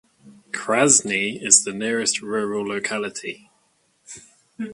Krasny is the nearest rural locality.